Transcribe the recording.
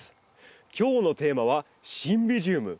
今日のテーマはシンビジウム。